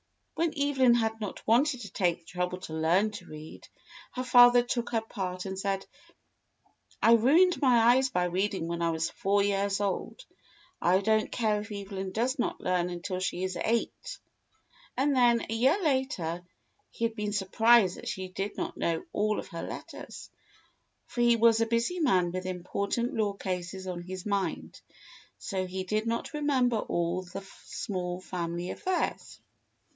When Evelyn had not wanted to take the trouble to learn to read, her father took her part and said: "I ruined my eyes by reading when I was four years old. I don't care if Evelyn does not learn until she is eight." And then, a year later, he had been surprised that she did not know all of her letters, for he was a busy man with important law cases on his mind, so he did not remember all the small family affairs.